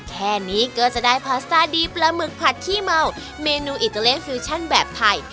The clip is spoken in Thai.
แค่นี้ก็จะได้พาสต้าดีปลาหมึกผัดขี้เมาเมนูอิตาเลียฟิวชั่นแบบไทย